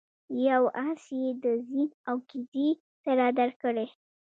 یو آس یې د زین او کیزې سره درکړی.